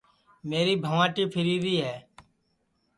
میری بھنٚواٹی پھیریری ہے